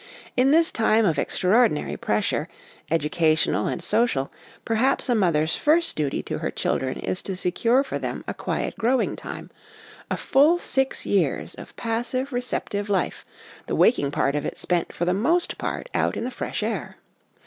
In this time of extraordinary pressure, educational and social, perhaps a mother's first duty to her children is to secure for them a quiet growing time, a full six years of passive receptive life, the waking part of it spent for the most part out in the fresh air.